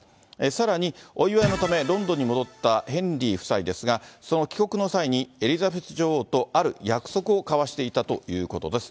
さらにお祝いのためロンドンに戻ったヘンリー夫妻ですが、その帰国の際に、エリザベス女王とある約束を交わしていたということです。